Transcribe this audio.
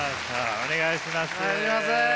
お願いします。